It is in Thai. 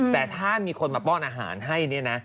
แต่ถ้ามีคนมาป้อนอาหารให้เนี่ยนะ